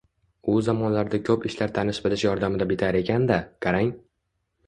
U zamonlarda koʻp ishlar tanish-bilish yordamida bitar ekan-da, qarang